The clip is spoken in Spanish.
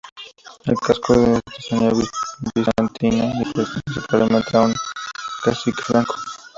El casco es de artesanía bizantina y pertenecía, probablemente, a un cacique franco.